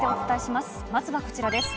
まずはこちらです。